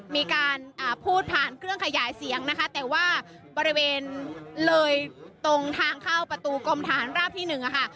มีการพูดผ่านเครื่องขยายเสียงนะคะแต่ว่าบริเวณเลยตรงทางเข้าประตูกรมฐานราบที่หนึ่งอะค่ะ